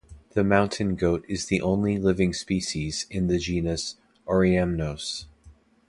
The mountain goat is the only living species in the genus "Oreamnos".